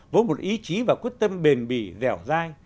với một ý chí và quyết tâm bền bỉ dẻo dai